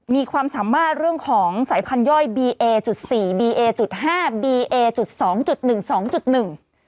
มีความสามารถเรื่องของสายพันธย่อยบีเอจุดสี่บีเอจุดห้าบีเอจุดสองจุดหนึ่งสองจุดหนึ่ง